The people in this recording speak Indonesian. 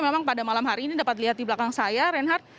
memang pada malam hari ini dapat dilihat di belakang saya reinhardt